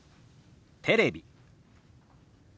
「テレビ」。